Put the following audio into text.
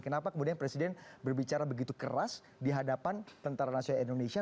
kenapa kemudian presiden berbicara begitu keras di hadapan tentara nasional indonesia